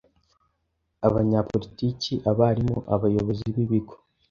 Abanya politike, abarimu, abayobozi b'ibigo,